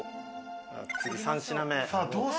次、３品目。